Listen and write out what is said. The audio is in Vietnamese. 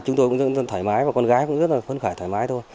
chúng tôi cũng rất là thoải mái và con gái cũng rất là phân khải thoải mái thôi